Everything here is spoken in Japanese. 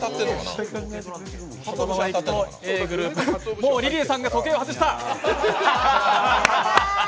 もうリリーさんが時計を外した。